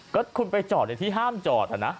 ก็คุณไปจอดในที่ห้ามจอดนะ